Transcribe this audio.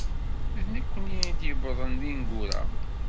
D nekkni i d-yewwḍen d ineggura.